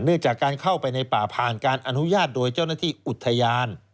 จากการเข้าไปในป่าผ่านการอนุญาตโดยเจ้าหน้าที่อุทยาน